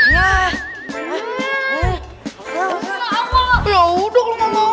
ya udah kalau mau mau